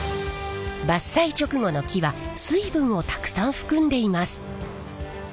伐採直後の木は水分をたくさん含んでいます。